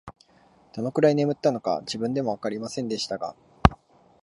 どのくらい眠ったのか、自分でもわかりませんでしたが、